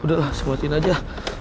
udah lah semakin aja